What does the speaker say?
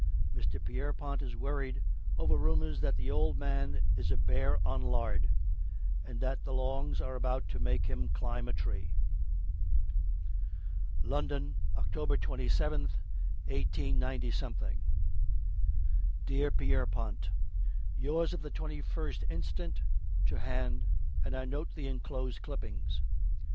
Mr. Pierrepont is worried over rumors that the old man is a bear on lard, and that the longs are about to make him climb a tree.] LONDON, October 27, 189 Dear Pierrepont: Yours of the twenty first inst. to hand and I note the inclosed clippings.